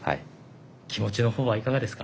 気持ちのほうはいかがですか？